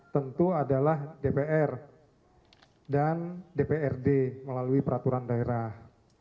tentu adalah dpr dan dprd melalui peraturan daerah